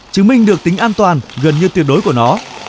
chứng minh được tính an toàn gần như tuyệt đối của nó